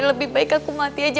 lebih baik aku mati aja